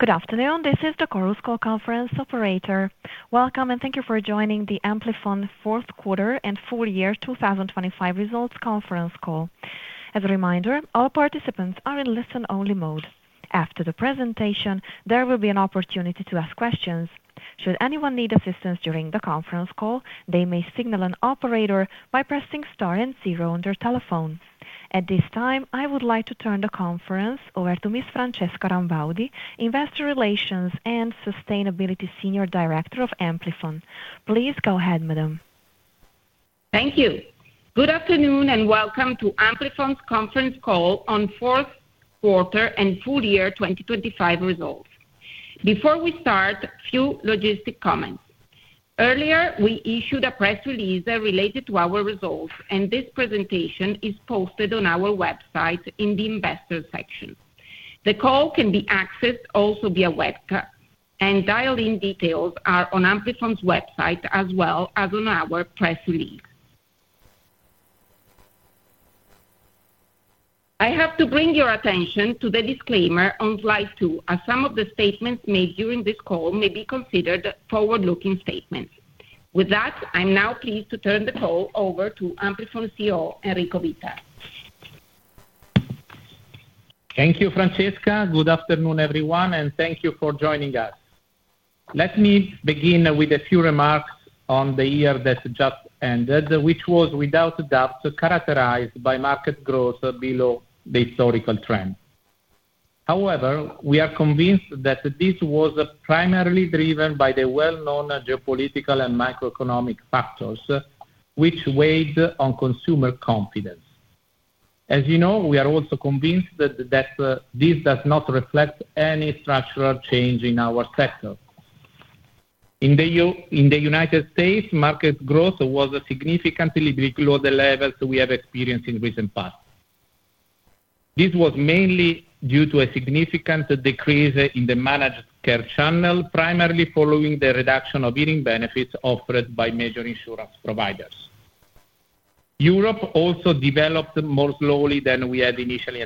Good afternoon. This is the Chorus Call Conference operator. Welcome. Thank you for joining the Amplifon fourth quarter and full year 2025 results conference call. As a reminder, all participants are in listen-only mode. After the presentation, there will be an opportunity to ask questions. Should anyone need assistance during the conference call, they may signal an operator by pressing star and zero on their telephone. At this time, I would like to turn the conference over to Ms. Francesca Rambaudi, Investor Relations and Sustainability Senior Director of Amplifon. Please go ahead, madam. Thank you. Good afternoon, and welcome to Amplifon's conference call on fourth quarter and full year 2025 results. Before we start, few logistic comments. Earlier, we issued a press release related to our results, and this presentation is posted on our website in the Investors section. The call can be accessed also via webcast and dial-in details are on Amplifon's website as well as on our press release. I have to bring your attention to the disclaimer on slide two, as some of the statements made during this call may be considered forward-looking statements. With that, I'm now pleased to turn the call over to Amplifon CEO, Enrico Vita. Thank you, Francesca. Good afternoon, everyone, thank you for joining us. Let me begin with a few remarks on the year that just ended, which was without a doubt characterized by market growth below the historical trend. However, we are convinced that this was primarily driven by the well-known geopolitical and macroeconomic factors which weighed on consumer confidence. As you know, we are also convinced that this does not reflect any structural change in our sector. In the United States, market growth was significantly below the levels we have experienced in recent past. This was mainly due to a significant decrease in the managed care channel, primarily following the reduction of hearing benefits offered by major insurance providers. Europe also developed more slowly than we had initially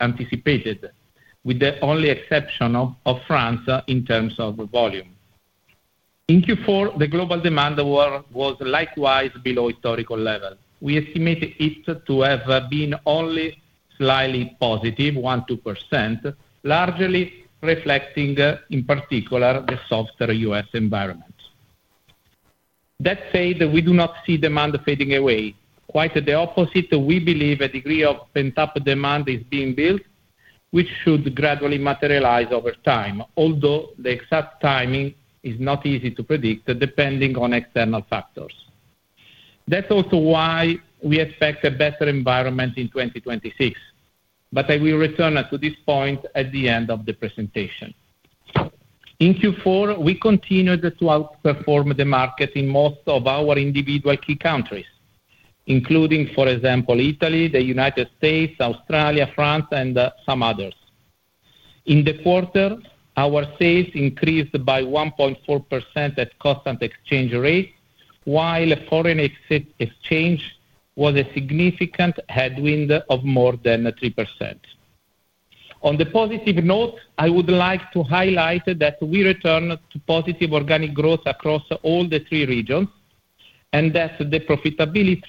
anticipated, with the only exception of France in terms of volume. In Q4, the global demand was likewise below historical levels. We estimate it to have been only slightly positive, 1%-2%, largely reflecting, in particular, the softer U.S. environment. That said, we do not see demand fading away. Quite the opposite, we believe a degree of pent-up demand is being built, which should gradually materialize over time, although the exact timing is not easy to predict depending on external factors. That's also why we expect a better environment in 2026, I will return to this point at the end of the presentation. In Q4, we continued to outperform the market in most of our individual key countries, including, for example, Italy, the United States, Australia, France, and some others. In the quarter, our sales increased by 1.4% at constant exchange rate, while foreign exchange was a significant headwind of more than 3%. On the positive note, I would like to highlight that we return to positive organic growth across all the three regions, and that the profitability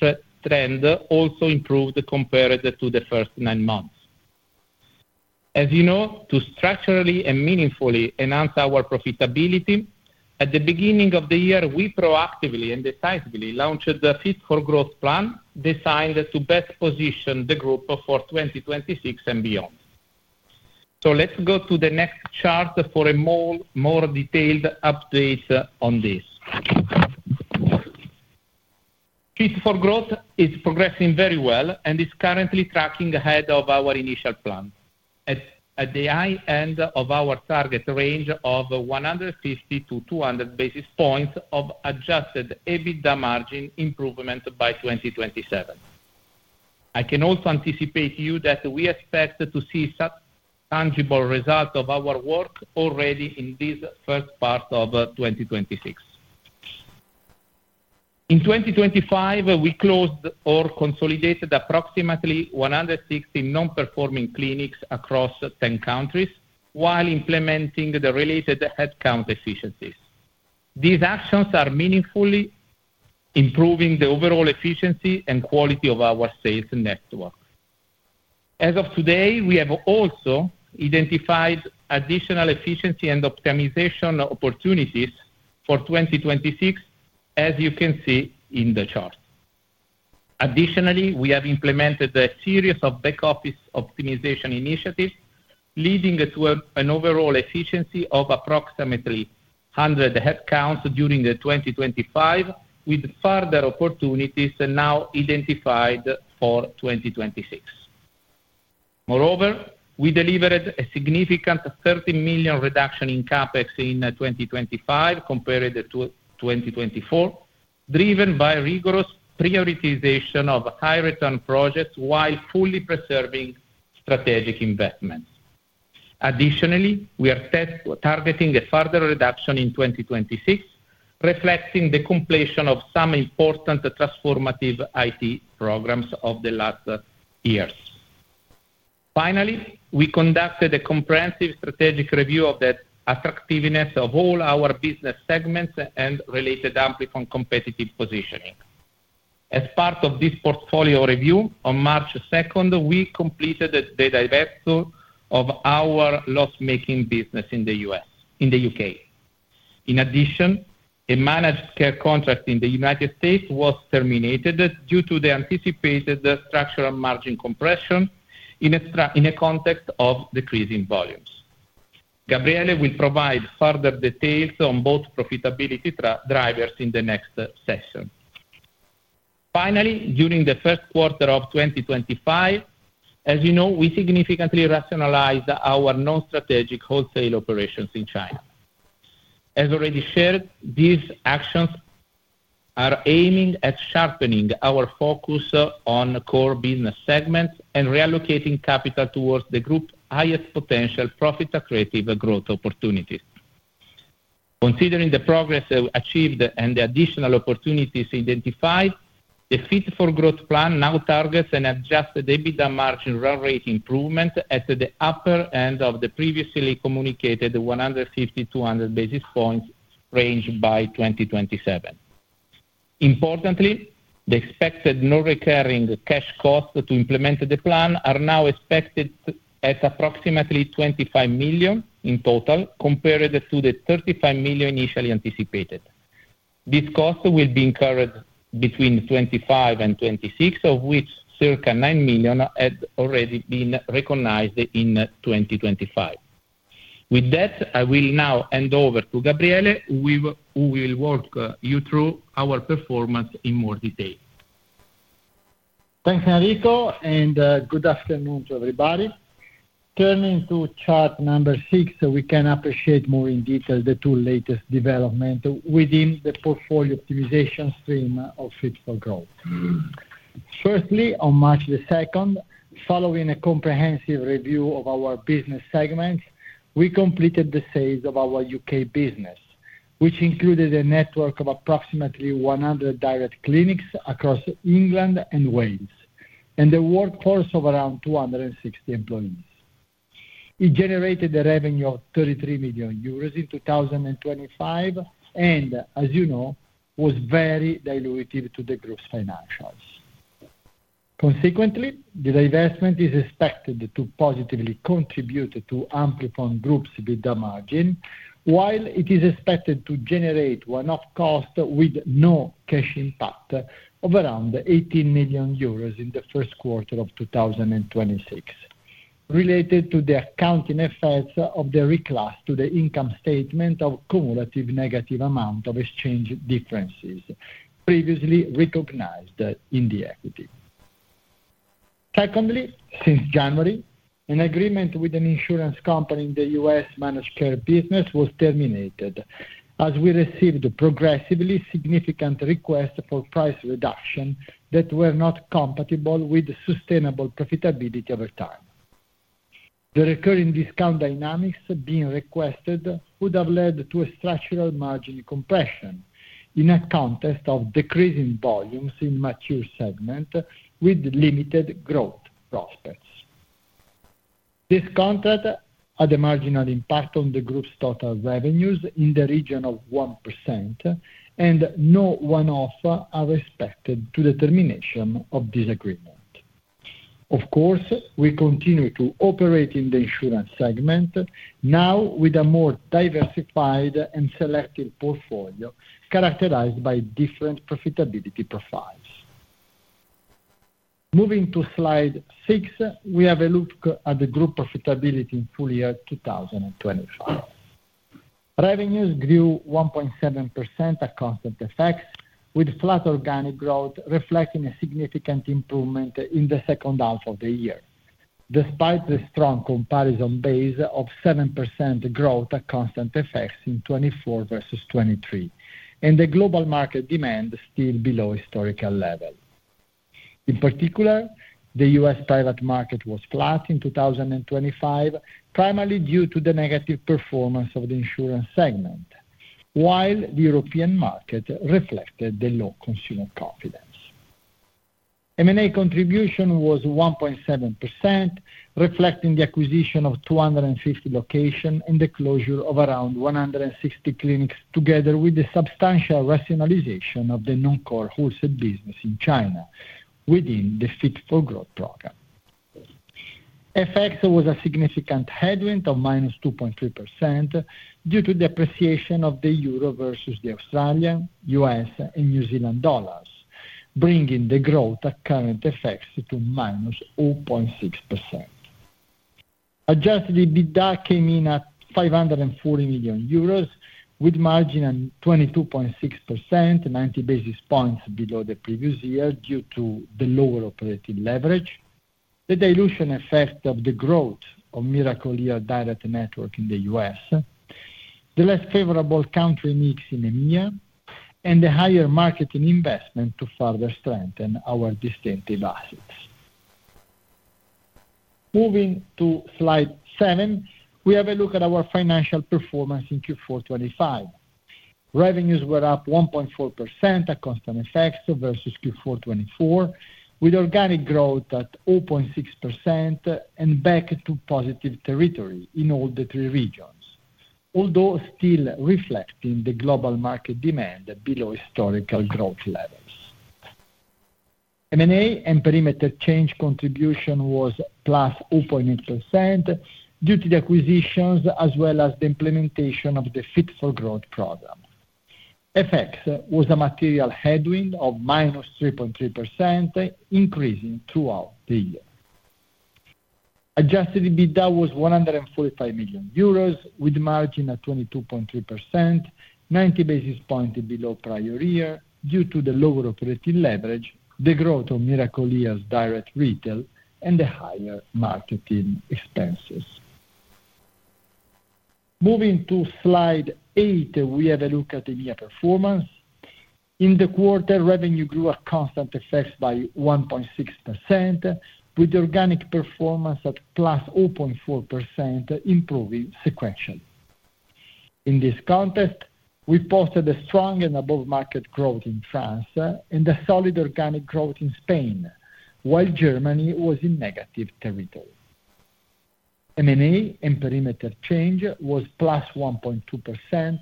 trend also improved compared to the first nine months. As you know, to structurally and meaningfully enhance our profitability, at the beginning of the year, we proactively and decisively launched the Fit4Growth plan designed to best position the group for 2026 and beyond. Let's go to the next chart for a more detailed update on this. Fit4Growth is progressing very well and is currently tracking ahead of our initial plan. At the high end of our target range of 150-200 basis points of adjusted EBITDA margin improvement by 2027. I can also anticipate you that we expect to see some tangible results of our work already in this first part of 2026. In 2025, we closed or consolidated approximately 160 non-performing clinics across 10 countries while implementing the related headcount efficiencies. These actions are meaningfully improving the overall efficiency and quality of our sales network. As of today, we have also identified additional efficiency and optimization opportunities for 2026, as you can see in the chart. Additionally, we have implemented a series of back-office optimization initiatives, leading to an overall efficiency of approximately 100 headcounts during 2025, with further opportunities now identified for 2026. We delivered a significant 30 million reduction in CapEx in 2025 compared to 2024, driven by rigorous prioritization of high-return projects while fully preserving strategic investments. We are targeting a further reduction in 2026. Reflecting the completion of some important transformative IT programs of the last years. We conducted a comprehensive strategic review of the attractiveness of all our business segments and related Amplifon competitive positioning. As part of this portfolio review, on March second, we completed the divesture of our loss-making business in the U.K. A managed care contract in the United States was terminated due to the anticipated structural margin compression in a context of decreasing volumes. Gabriele will provide further details on both profitability drivers in the next session. Finally, during the first quarter of 2025, as you know, we significantly rationalized our non-strategic wholesale operations in China. As already shared, these actions are aiming at sharpening our focus on core business segments and reallocating capital towards the group highest potential profit accretive growth opportunities. Considering the progress achieved and the additional opportunities identified, the Fit4Growth plan now targets an adjusted EBITDA margin run rate improvement at the upper end of the previously communicated 150-200 basis points range by 2027. Importantly, the expected non-recurring cash costs to implement the plan are now expected at approximately 25 million in total, compared to the 35 million initially anticipated. This cost will be incurred between 2025 and 2026, of which circa 9 million had already been recognized in 2025. With that, I will now hand over to Gabriele, who will walk you through our performance in more detail. Thanks, Enrico. Good afternoon to everybody. Turning to chart number six, we can appreciate more in detail the two latest development within the portfolio optimization stream of Fit4Growth. Firstly, on March 2nd, following a comprehensive review of our business segments, we completed the sales of our U.K. business, which included a network of approximately 100 direct clinics across England and Wales, and a workforce of around 260 employees. It generated a revenue of 33 million euros in 2025, and as you know, was very dilutive to the group's financials. Consequently, the divestment is expected to positively contribute to Amplifon group's EBITDA margin, while it is expected to generate one-off cost with no cash impact of around 80 million euros in the first quarter of 2026. Related to the accounting effects of the reclass, to the income statement of cumulative negative amount of exchange differences previously recognized in the equity. Since January, an agreement with an insurance company in the U.S. managed care business was terminated as we received progressively significant requests for price reduction that were not compatible with sustainable profitability over time. The recurring discount dynamics being requested would have led to a structural margin compression in a context of decreasing volumes in mature segment with limited growth prospects. This contract had a marginal impact on the group's total revenues in the region of 1% and no one-off are expected to the termination of this agreement. We continue to operate in the insurance segment, now with a more diversified and selected portfolio characterized by different profitability profiles. Moving to slide six, we have a look at the group profitability in full year 2025. Revenues grew 1.7% at constant FX, with flat organic growth reflecting a significant improvement in the second half of the year, despite the strong comparison base of 7% growth at constant FX in 2024 versus 2023, and the global market demand still below historical level. In particular, the U.S. private market was flat in 2025, primarily due to the negative performance of the insurance segment, while the European market reflected the low consumer confidence. M&A contribution was 1.7%, reflecting the acquisition of 250 locations and the closure of around 160 clinics, together with the substantial rationalization of the non-core wholesale business in China within the Fit4Growth program. FX was a significant headwind of -2.3% due to the appreciation of the euro versus the Australian, U.S., and New Zealand dollars, bringing the growth at current FX to -0.6%. Adjusted EBITDA came in at 540 million euros, with margin at 22.6%, 90 basis points below the previous year due to the lower operating leverage, the dilution effect of the growth of Miracle-Ear direct network in the U.S., the less favorable country mix in EMEA, and the higher marketing investment to further strengthen our distinctive assets. Moving to slide seven, we have a look at our financial performance in Q4 2025. Revenues were up 1.4% at constant FX versus Q4 2024, with organic growth at 0.6% and back to positive territory in all the three regions. Although still reflecting the global market demand below historical growth levels. M&A and perimeter change contribution was +0.8% due to the acquisitions as well as the implementation of the Fit4Growth program. FX was a material headwind of -3.3%, increasing throughout the year. Adjusted EBITDA was 145 million euros, with margin at 22.3%, 90 basis points below prior year due to the lower operating leverage, the growth of Miracle-Ear's direct retail, and the higher marketing expenses. Moving to slide 8, we have a look at EMEA performance. In the quarter, revenue grew at constant FX by 1.6%, with organic performance at +0.4%, improving sequentially. In this context, we posted a strong and above market growth in France and a solid organic growth in Spain, while Germany was in negative territory. M&A and perimeter change was +1.2%,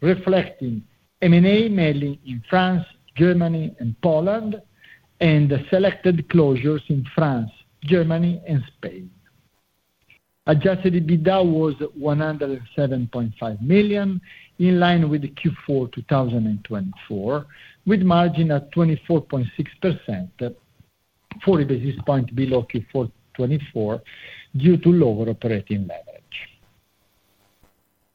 reflecting M&A mainly in France, Germany and Poland, and selected closures in France, Germany and Spain. Adjusted EBITDA was 107.5 million, in line with Q4 2024, with margin at 24.6%, 40 basis points below Q4 2024 due to lower operating leverage.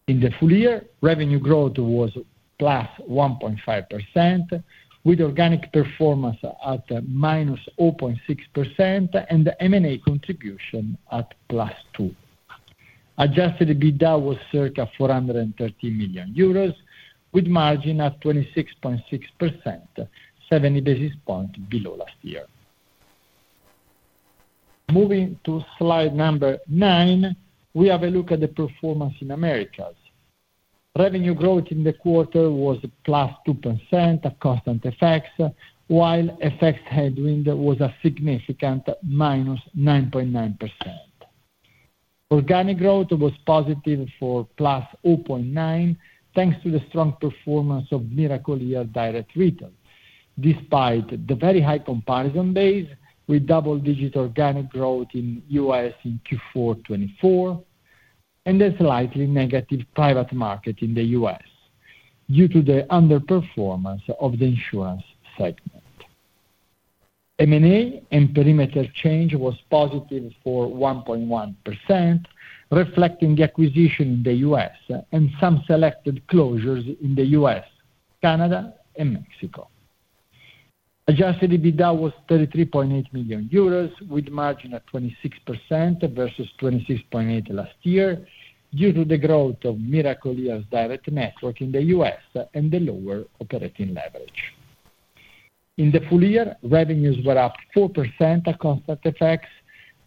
In the full year, revenue growth was +1.5%, with organic performance at -0.6% and the M&A contribution at +2%. Adjusted EBITDA was circa 430 million euros, with margin at 26.6%, 70 basis points below last year. Moving to slide number nine, we have a look at the performance in Americas. Revenue growth in the quarter was +2% at constant FX, while FX headwind was a significant -9.9%. Organic growth was positive for +0.9%, thanks to the strong performance of Miracle-Ear direct retail, despite the very high comparison base with double-digit organic growth in U.S. in Q4 2024 and a slightly negative private market in the U.S. due to the underperformance of the insurance segment. M&A and perimeter change was positive for 1.1%, reflecting the acquisition in the U.S. and some selected closures in the U.S., Canada and Mexico. Adjusted EBITDA was 33.8 million euros, with margin at 26% versus 26.8% last year due to the growth of Miracle-Ear's direct network in the U.S. and the lower operating leverage. In the full year, revenues were up 4% at constant FX,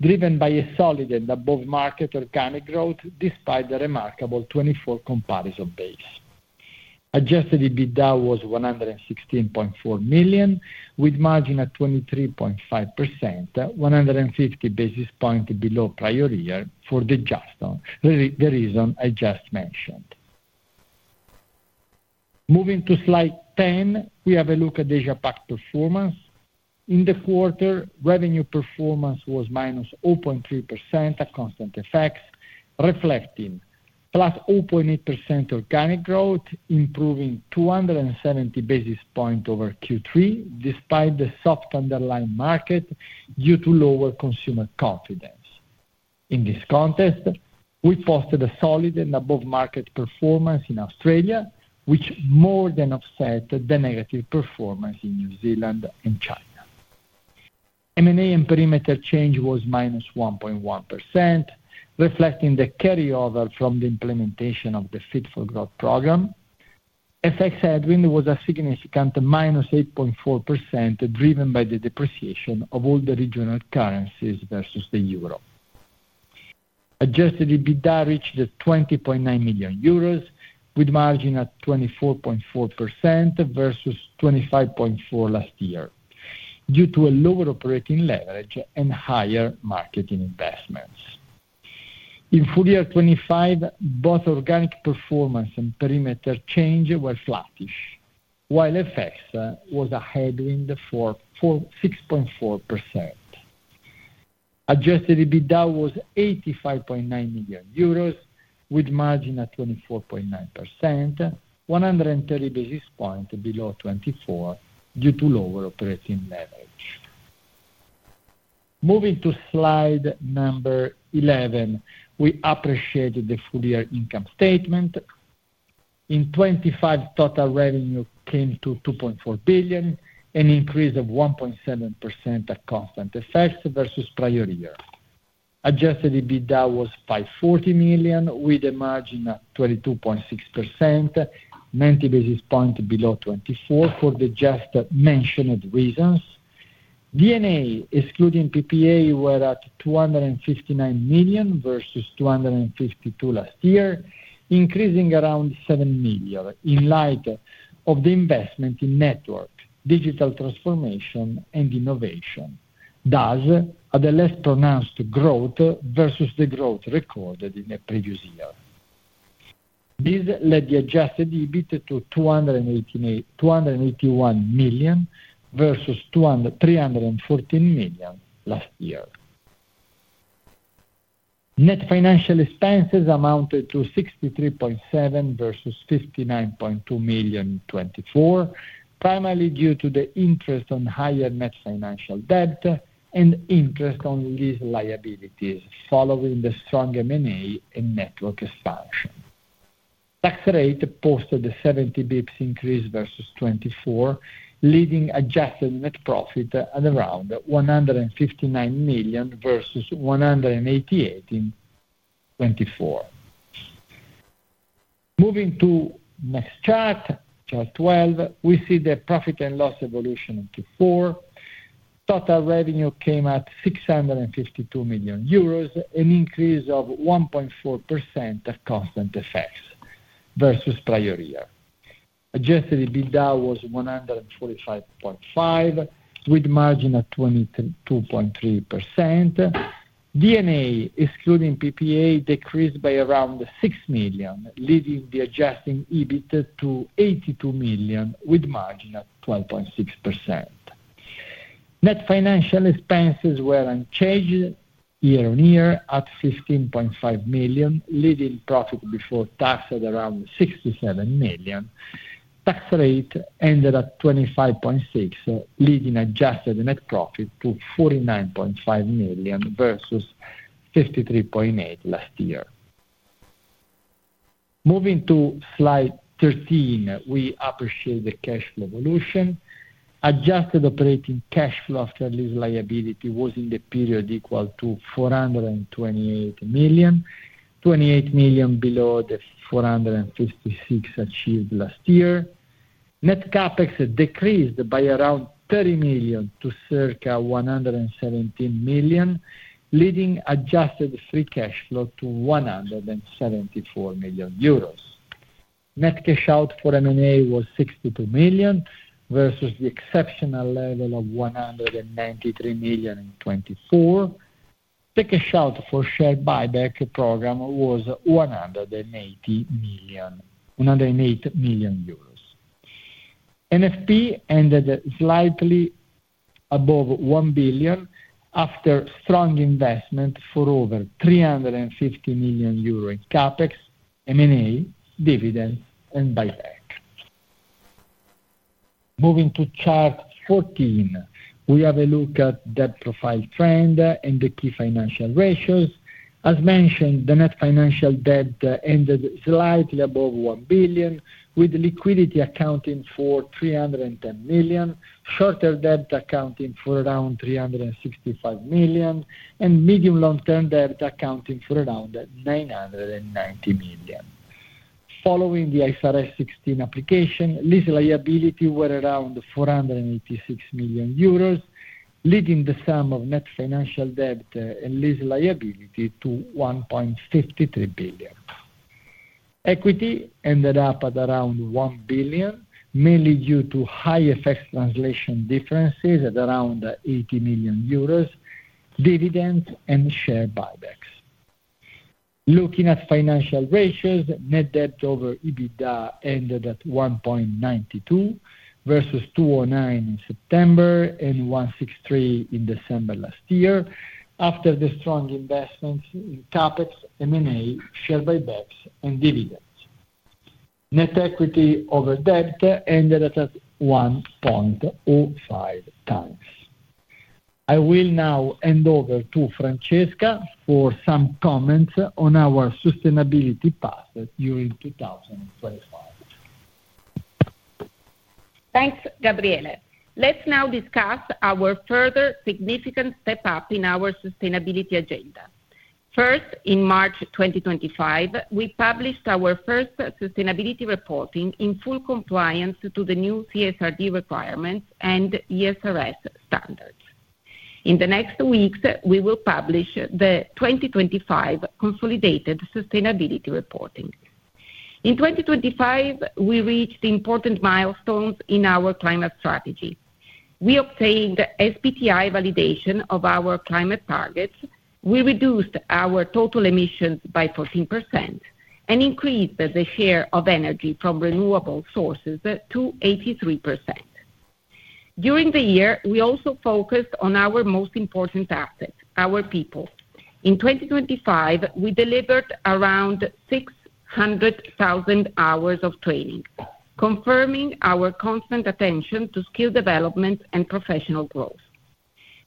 driven by a solid and above market organic growth despite the remarkable 2024 comparison base. Adjusted EBITDA was 116.4 million, with margin at 23.5%, 150 basis points below prior year for the reason I just mentioned. Moving to slide 10, we have a look at APAC performance. In the quarter, revenue performance was -0.3% at constant FX, reflecting +0.8% organic growth, improving 270 basis points over Q3, despite the soft underlying market due to lower consumer confidence. In this context, we posted a solid and above market performance in Australia, which more than offset the negative performance in New Zealand and China. M&A and perimeter change was minus 1.1%, reflecting the carryover from the implementation of the Fit4Growth program. FX headwind was a significant minus 8.4%, driven by the depreciation of all the regional currencies versus the euro. Adjusted EBITDA reached 20.9 million euros, with margin at 24.4% versus 25.4% last year due to a lower operating leverage and higher marketing investments. In full year 2025, both organic performance and perimeter change were flattish, while FX was a headwind 6.4%. Adjusted EBITDA was 85.9 million euros, with margin at 24.9%, 130 basis points below 2024 due to lower operating leverage. Moving to slide number 11, we appreciate the full year income statement. In 2025, total revenue came to 2.4 billion, an increase of 1.7% at constant FX versus prior year. Adjusted EBITDA was 540 million, with a margin at 22.6%, 90 basis points below 2024 for the just mentioned reasons. D&A excluding PPA were at 259 million versus 252 million last year, increasing around 7 million in light of the investment in network, digital transformation and innovation, thus at a less pronounced growth versus the growth recorded in the previous year. This led the adjusted EBIT to 281 million versus 314 million last year. Net financial expenses amounted to 63.7 million versus 59.2 million in 2024, primarily due to the interest on higher net financial debt and interest on lease liabilities following the strong M&A and network expansion. Tax rate posted a 70 basis points increase versus 2024, leaving adjusted net profit at around 159 million versus 188 million in 2024. Moving to next chart 12, we see the profit and loss evolution in Q4. Total revenue came at 652 million euros, an increase of 1.4% at constant FX versus prior year. Adjusted EBITDA was 145.5 million, with margin at 22.3%. D&A excluding PPA decreased by around 6 million, leading the adjusting EBIT to 82 million, with margin at 12.6%. Net financial expenses were unchanged year-over-year at 15.5 million, leading profit before tax at around 67 million. Tax rate ended at 25.6%, leading adjusted net profit to 49.5 million versus 53.8 million last year. Moving to slide 13, we appreciate the cash flow evolution. Adjusted operating cash flow after lease liability was in the period equal to 428 million, 28 million below the 456 million achieved last year. Net CapEx decreased by around 30 million to circa 117 million, leading adjusted free cash flow to 174 million euros. Net cash out for M&A was 62 million versus the exceptional level of 193 million in 2024. The cash out for share buyback program was 108 million euros. NFP ended slightly above 1 billion after strong investment for over 350 million euros in CapEx, M&A, dividends and buyback. Moving to chart 14, we have a look at debt profile trend and the key financial ratios. As mentioned, the net financial debt ended slightly above 1 billion, with liquidity accounting for 310 million, shorter debt accounting for around 365 million, and medium long-term debt accounting for around 990 million. Following the IFRS 16 application, lease liability were around 486 million euros, leading the sum of net financial debt and lease liability to 1.53 billion. Equity ended up at around 1 billion, mainly due to high FX translation differences at around 80 million euros, dividends and share buybacks. Looking at financial ratios, net debt over EBITDA ended at 1.92 versus 2.09 in September and 1.63 in December last year after the strong investments in CapEx, M&A, share buybacks and dividends. Net equity over debt ended at 1.05 times. I will now hand over to Francesca for some comments on our sustainability path during 2025. Thanks, Gabriele. Let's now discuss our further significant step up in our sustainability agenda. First, in March 2025, we published our first sustainability reporting in full compliance to the new CSRD requirements and ESRS standards. In the next weeks, we will publish the 2025 consolidated sustainability reporting. In 2025, we reached important milestones in our climate strategy. We obtained SBTi validation of our climate targets. We reduced our total emissions by 14% and increased the share of energy from renewable sources to 83%. During the year, we also focused on our most important asset, our people. In 2025, we delivered around 600,000 hours of training, confirming our constant attention to skill development and professional growth.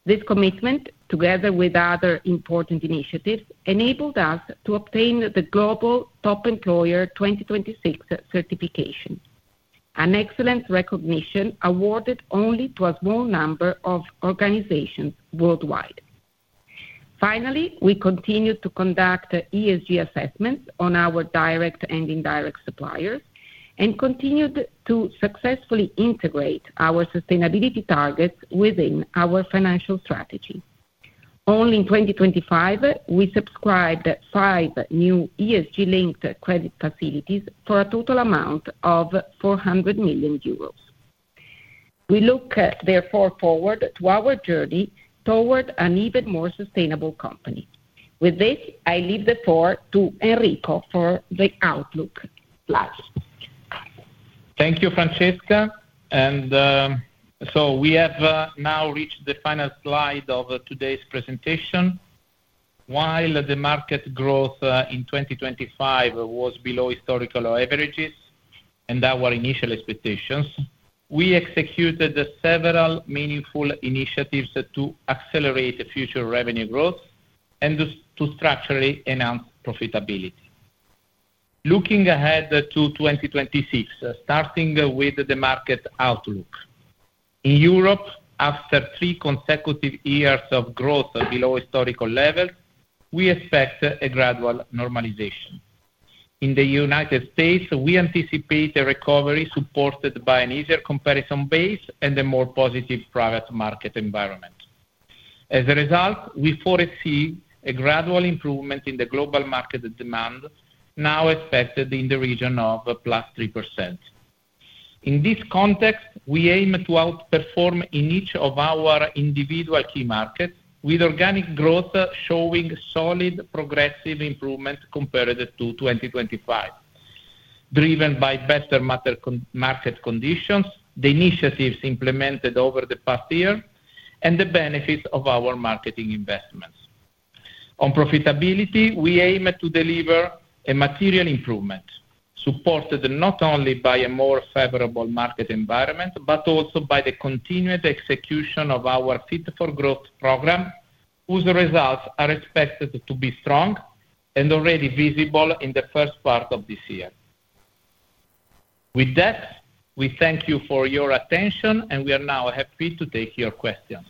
This commitment, together with other important initiatives, enabled us to obtain the Global Top Employer 2026 certification, an excellent recognition awarded only to a small number of organizations worldwide. Finally, we continue to conduct ESG assessments on our direct and indirect suppliers, and continued to successfully integrate our sustainability targets within our financial strategy. Only in 2025, we subscribed five new ESG linked credit facilities for a total amount of 400 million euros. We look, therefore, forward to our journey toward an even more sustainable company. With this, I leave the floor to Enrico for the outlook slide. Thank you, Francesca. We have now reached the final slide of today's presentation. While the market growth in 2025 was below historical averages, and our initial expectations, we executed several meaningful initiatives to accelerate the future revenue growth and to structurally enhance profitability. Looking ahead to 2026, starting with the market outlook. In Europe, after three consecutive years of growth below historical levels, we expect a gradual normalization. In the United States, we anticipate a recovery supported by an easier comparison base and a more positive private market environment. As a result, we foresee a gradual improvement in the global market demand now expected in the region of +3%. In this context, we aim to outperform in each of our individual key markets, with organic growth showing solid progressive improvement compared to 2025, driven by better market conditions, the initiatives implemented over the past year, and the benefits of our marketing investments. On profitability, we aim to deliver a material improvement, supported not only by a more favorable market environment, but also by the continued execution of our Fit4Growth program, whose results are expected to be strong and already visible in the first part of this year. With that, we thank you for your attention, and we are now happy to take your questions.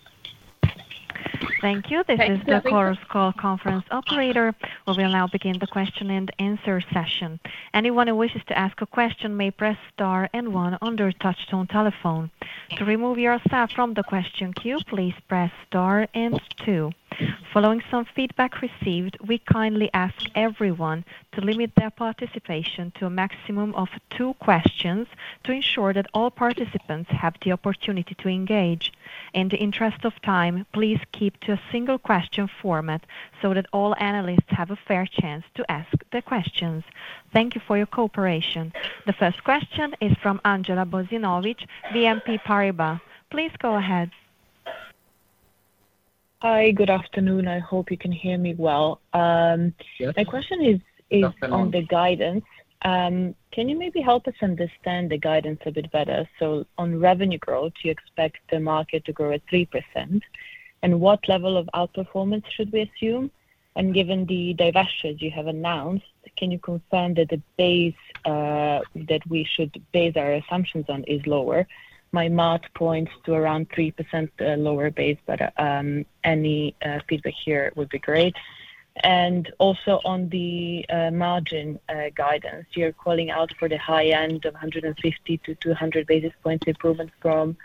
Thank you. This is the Chorus Call conference operator. We will now begin the question and answer session. Anyone who wishes to ask a question may press star and one on their touchtone telephone. To remove yourself from the question queue, please press star and two. Following some feedback received, we kindly ask everyone to limit their participation to a maximum of two questions to ensure that all participants have the opportunity to engage. In the interest of time, please keep to a single question format so that all analysts have a fair chance to ask their questions. Thank you for your cooperation. The first question is from Andjela Bozinovic, BNP Paribas. Please go ahead Hi, good afternoon. I hope you can hear me well. Yes. Good afternoon. My question is on the guidance. Can you maybe help us understand the guidance a bit better? On revenue growth, you expect the market to grow at 3%. What level of outperformance should we assume? Given the divestiture you have announced, can you confirm that the base that we should base our assumptions on is lower? My math points to around 3% lower base, but any feedback here would be great. Also on the margin guidance, you're calling out for the high end of 150-200 basis points improvement from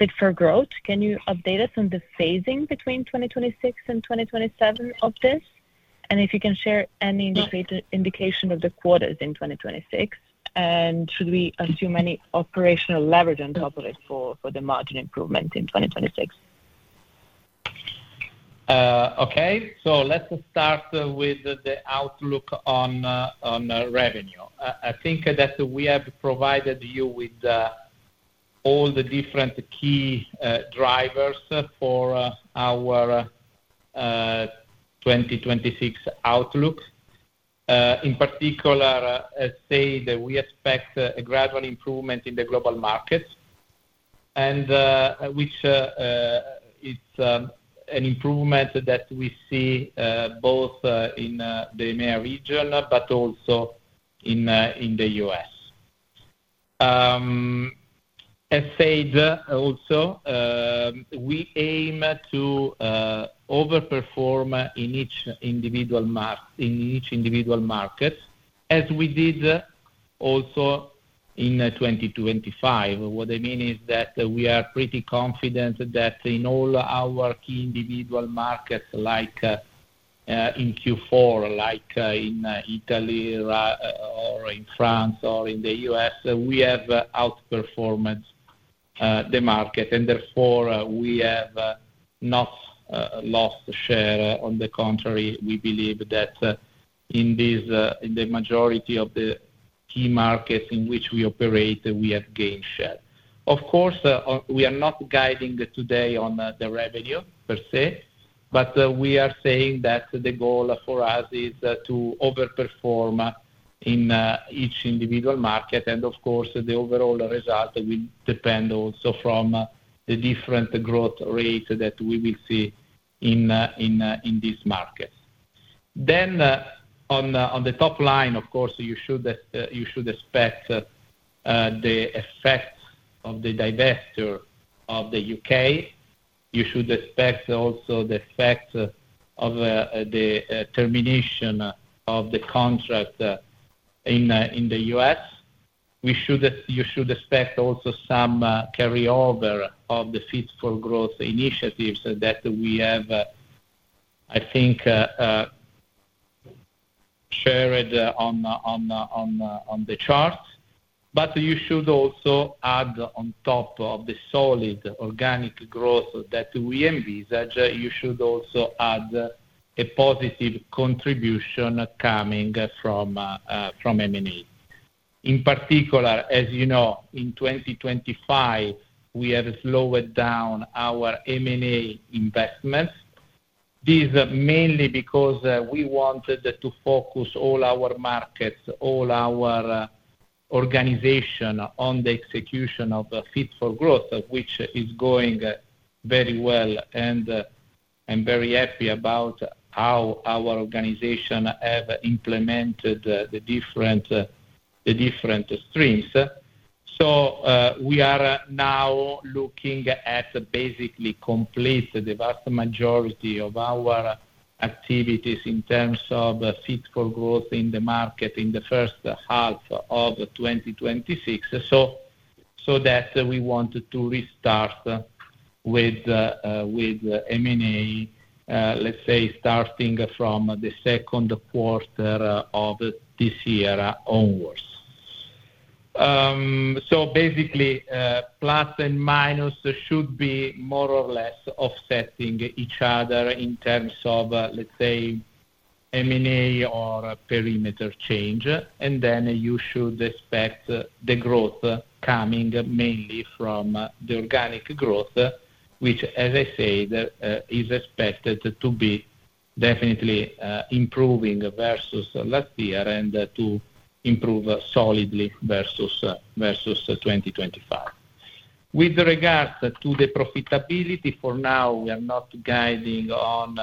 Fit4Growth. Can you update us on the phasing between 2026 and 2027 of this? If you can share any indication of the quarters in 2026.should we assume any operational leverage on top of it for the margin improvement in 2026? Okay. Let's start with the outlook on revenue. I think that we have provided you with all the different key drivers for our 2026 outlook. In particular, say that we expect a gradual improvement in the global markets, which it's an improvement that we see both in the MEA region but also in the U.S. As said also, we aim to overperform in each individual market, as we did also in 2025. What I mean is that we are pretty confident that in all our key individual markets, like in Q4, like in Italy, or in France, or in the U.S., we have outperformed the market. Therefore, we have not lost share. On the contrary, we believe that in the majority of the key markets in which we operate, we have gained share. Of course, we are not guiding today on the revenue per se, but we are saying that the goal for us is to overperform in each individual market. Of course, the overall result will depend also from the different growth rate that we will see in these markets. On the top line, of course, you should expect the effects of the divesture of the U.K. You should expect also the effects of the termination of the contract in the U.S. You should expect also some carryover of the Fit4Growth initiatives that we have, I think shared on the charts. You should also add on top of the solid organic growth that we envisage, you should also add a positive contribution coming from M&A. In particular, as you know, in 2025, we have slowed down our M&A investments. This mainly because we wanted to focus all our markets, all our organization on the execution of Fit4Growth, which is going very well. I'm very happy about how our organization have implemented the different streams. We are now looking at basically complete the vast majority of our activities in terms of Fit4Growth in the market in the first half of 2026. That we want to restart with M&A, let's say, starting from the second quarter of this year onwards. Basically, plus and minus should be more or less offsetting each other in terms of, let's say, M&A or perimeter change. You should expect the growth coming mainly from the organic growth, which, as I said, is expected to be definitely improving versus last year and to improve solidly versus 2025. With regards to the profitability, for now, we are not guiding on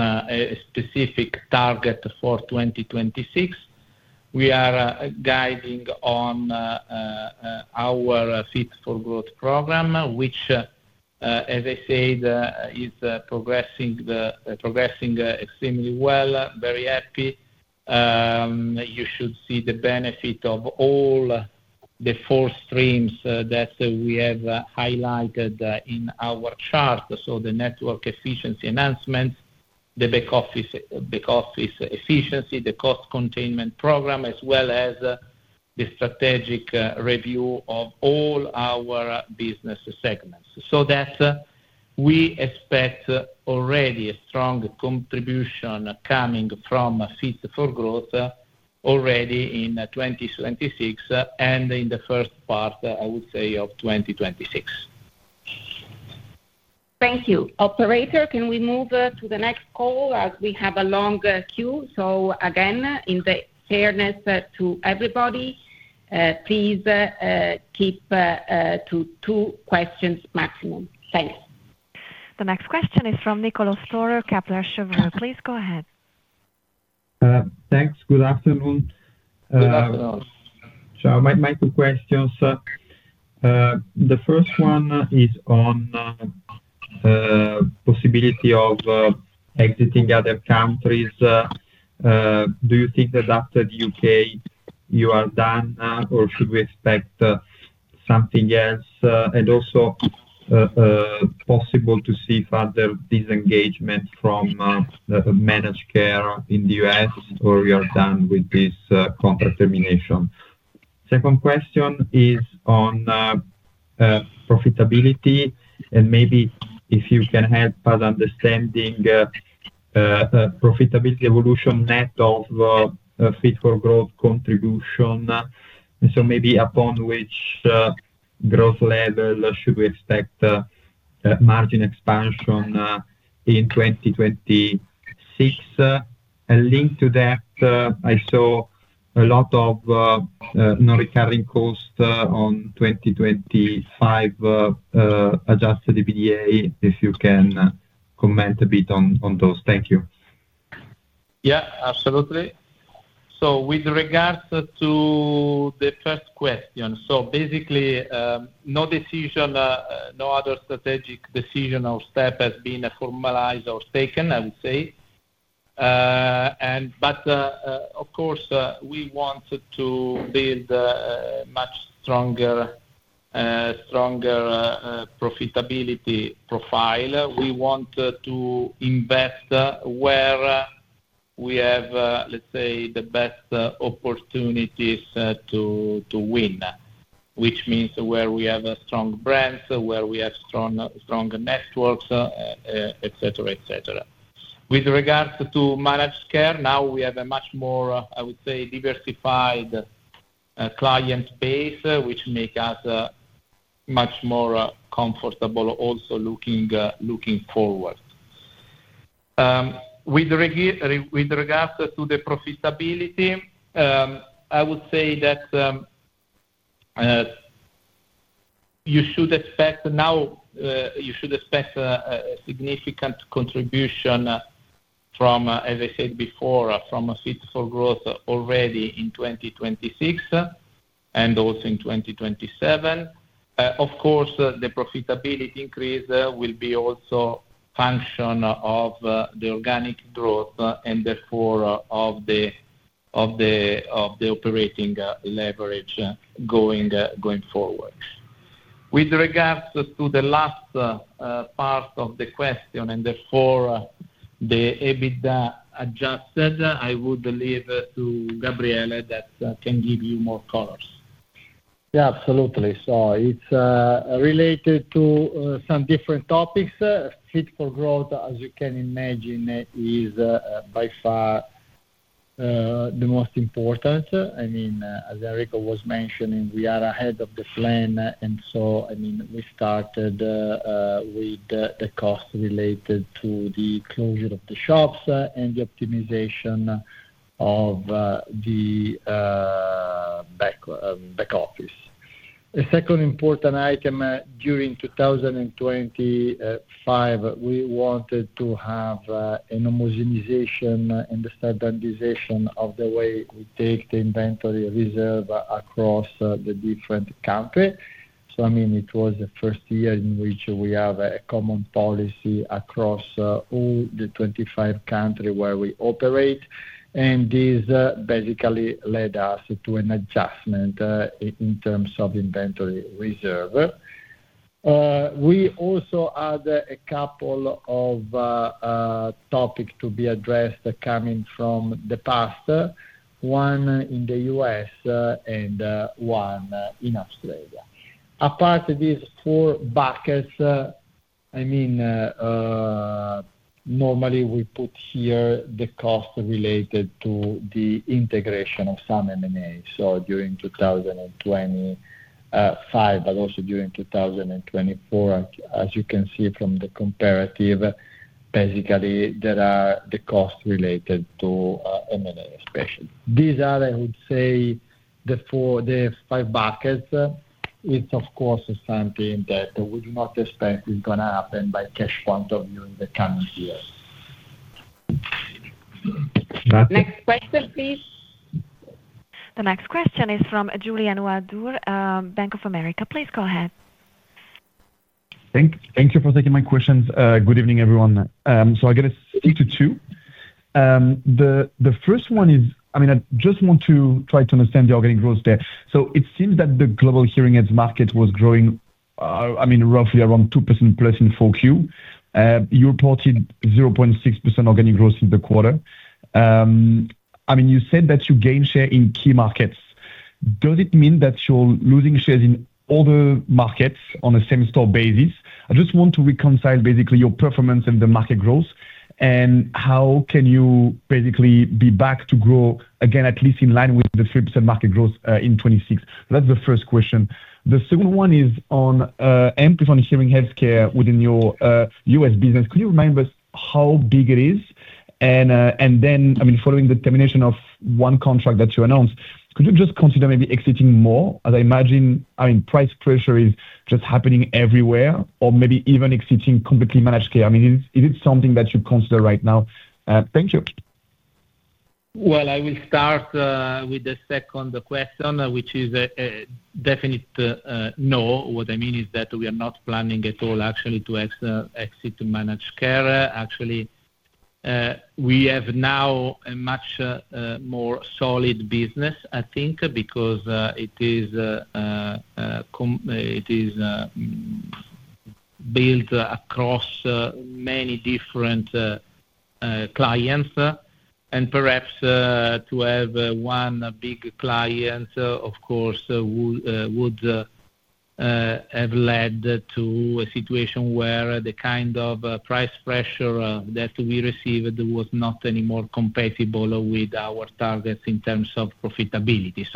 a specific target for 2026. We are guiding on our Fit4Growth program, which, as I said, is progressing extremely well. Very happy. You should see the benefit of all the four streams that we have highlighted in our chart. The network efficiency enhancements, the back office efficiency, the cost containment program, as well as the strategic review of all our business segments. That we expect already a strong contribution coming from Fit4Growth already in 2026 and in the first part, I would say, of 2026. Thank you. Operator, can we move to the next call as we have a long queue? Again, in the fairness to everybody, please keep to two questions maximum. Thanks. The next question is from Niccolo Storer, Kepler Cheuvreux. Please go ahead. Thanks. Good afternoon. Good afternoon. My two questions. The first one is on possibility of exiting other countries. Do you think that after the U.K. you are done now, or should we expect something else? Also, possible to see further disengagement from managed care in the U.S., or we are done with this contract termination? Second question is on profitability, and maybe if you can help us understanding profitability evolution net of Fit4Growth contribution. Maybe upon which growth level should we expect margin expansion in 2026? Linked to that, I saw a lot of non-recurring costs on 2025 adjusted EBITDA, if you can comment a bit on those. Thank you. Absolutely. With regards to the first question. Basically, no decision, no other strategic decision or step has been formalized or taken, I would say. But of course, we want to build a much stronger profitability profile. We want to invest where we have, let's say, the best opportunities to win, which means where we have strong brands, where we have strong networks, et cetera, et cetera. With regards to managed care, now we have a much more, I would say, diversified client base, which make us much more comfortable also looking forward. With regards to the profitability, I would say that you should expect now, you should expect a significant contribution from, as I said before, from a Fit4Growth already in 2026, and also in 2027. Of course, the profitability increase will be also function of the organic growth, and therefore, of the operating leverage going forward. With regards to the last part of the question, and therefore the EBITDA adjusted, I would leave to Gabriele that can give you more colors. Yeah, absolutely. It's related to some different topics. Fit4Growth, as you can imagine, is by far the most important. I mean, as Enrico was mentioning, we are ahead of the plan. I mean, we started with the cost related to the closure of the shops and the optimization of the back office. The second important item, during 2025, we wanted to have a homogenization and the standardization of the way we take the inventory reserve across the different country. I mean, it was the first year in which we have a common policy across all the 25 country where we operate, and this basically led us to an adjustment in terms of inventory reserve. We also had a couple of topics to be addressed coming from the past, one in the U.S., and one in Australia. Apart these four buckets, I mean, normally we put here the cost related to the integration of some M&A. During 2025, but also during 2024, as you can see from the comparative, basically there are the costs related to M&A especially. These are, I would say, the four, the five buckets. It's of course something that we do not expect is gonna happen by cash quantum during the coming year. Nothing. Next question, please. The next question is from Julien Ouaddour, Bank of America. Please go ahead. Thank you for taking my questions. Good evening, everyone. I'm gonna stick to two. The first one is, I mean, I just want to try to understand the organic growth there. It seems that the global hearing aids market was growing, I mean, roughly around 2% plus in 4Q. You reported 0.6% organic growth in the quarter. I mean, you said that you gained share in key markets. Does it mean that you're losing shares in other markets on a same store basis? I just want to reconcile basically your performance and the market growth. How can you basically be back to grow again, at least in line with the 3% market growth in 2026? That's the first question. The second one is on Amplifon Hearing Health Care within your U.S. business. Could you remind us how big it is? I mean, following the termination of one contract that you announced, could you just consider maybe exiting more? As I imagine, I mean, price pressure is just happening everywhere. Maybe even exiting completely managed care? I mean, is it something that you consider right now? Thank you. Well, I will start with the second question, which is a definite no. What I mean is that we are not planning at all actually to exit managed care. Actually, we have now a much more solid business, I think, because it is built across many different clients. Perhaps, to have one big client, of course, would have led to a situation where the kind of price pressure that we received was not any more compatible with our targets in terms of profitability.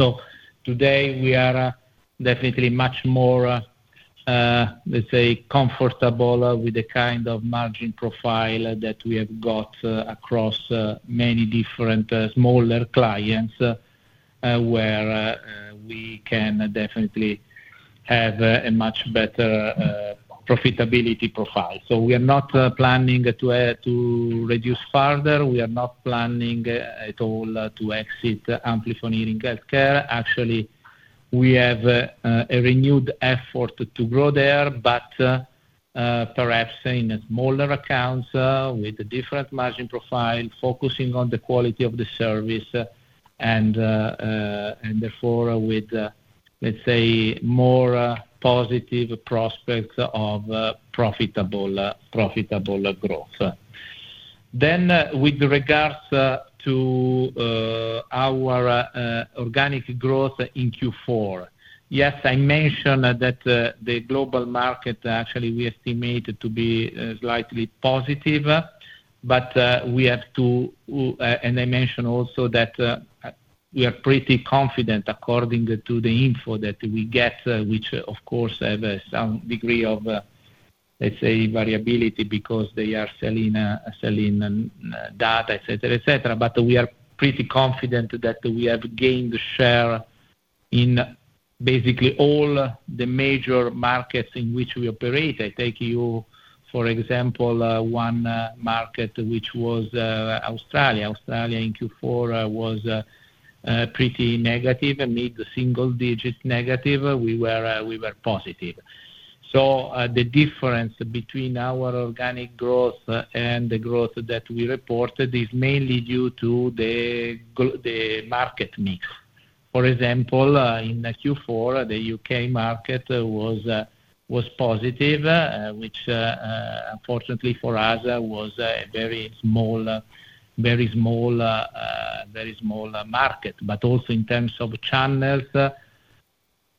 Today we are definitely much more, let's say, comfortable with the kind of margin profile that we have got across many different smaller clients, where we can definitely have a much better profitability profile. We are not planning to reduce further. We are not planning at all to exit Amplifon Hearing Health Care. Actually, we have a renewed effort to grow there, but perhaps in smaller accounts, with a different margin profile, focusing on the quality of the service, and therefore with, let's say, more positive prospects of profitable growth. With regards to our organic growth in Q4. Yes, I mentioned that the global market actually we estimate it to be slightly positive. We have to... And I mentioned also that we are pretty confident according to the info that we get, which of course have some degree of, Let's say variability because they are selling data, et cetera, et cetera. We are pretty confident that we have gained share in basically all the major markets in which we operate. I take you, for example, one market which was Australia. Australia in Q4 was pretty negative and made the single-digit negative. We were positive. The difference between our organic growth and the growth that we reported is mainly due to the market mix. For example, in Q4, the U.K. market was positive, which fortunately for us, was a very small market. Also in terms of channels,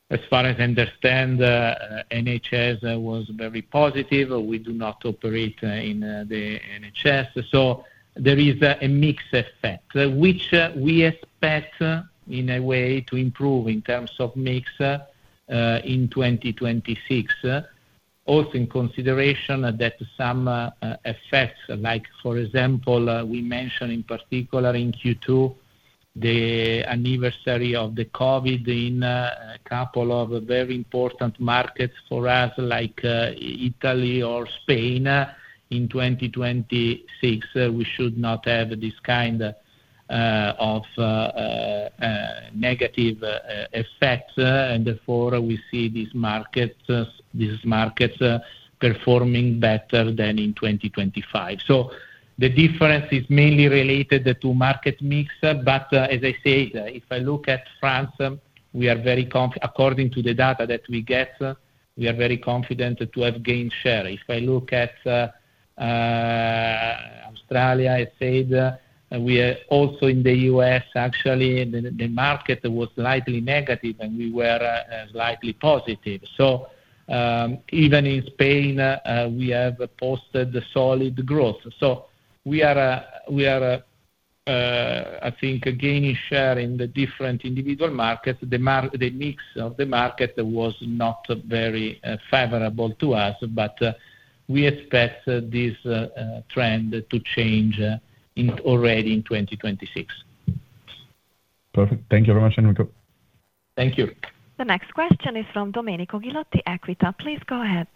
as far as I understand, NHS was very positive. We do not operate in the NHS. There is a mix effect, which we expect in a way to improve in terms of mix in 2026. Also in consideration that some effects, like for example, we mentioned in particular in Q2, the anniversary of the COVID in a couple of very important markets for us, like Italy or Spain. In 2026, we should not have this kind of negative effects, and therefore, we see these markets performing better than in 2025. The difference is mainly related to market mix. As I said, if I look at France, we are very confident according to the data that we get, we are very confident to have gained share. If I look at Australia, I said, we are also in the U.S. Actually, the market was slightly negative, we were slightly positive. Even in Spain, we have posted solid growth. We are, I think gaining share in the different individual markets. The mix of the market was not very favorable to us, we expect this trend to change in already in 2026. Perfect. Thank you very much, Enrico. Thank you. The next question is from Domenico Ghilotti, Equita. Please go ahead.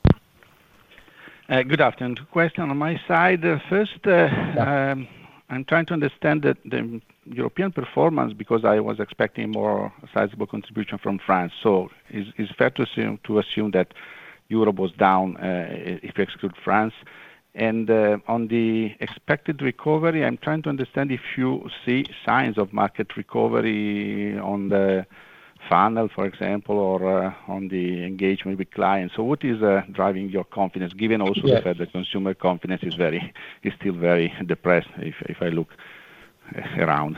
Good afternoon. Two question on my side. First, I'm trying to understand the European performance because I was expecting more sizable contribution from France. Is fair to assume that Europe was down if you exclude France? On the expected recovery, I'm trying to understand if you see signs of market recovery on the funnel, for example, or on the engagement with clients. What is driving your confidence, given also the fact that consumer confidence is very, is still very depressed, if I look around?